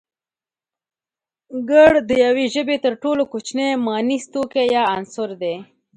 گړ د يوې ژبې تر ټولو کوچنی مانيز توکی يا عنصر دی